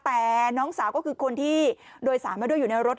แต่น้องสาวก็คือคนที่โดยสารมาด้วยอยู่ในรถ